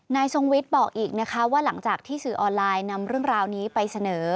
ทรงวิทย์บอกอีกนะคะว่าหลังจากที่สื่อออนไลน์นำเรื่องราวนี้ไปเสนอ